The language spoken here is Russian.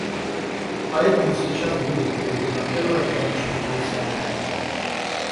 Поэтому сейчас будет проведено первое ограниченное голосование.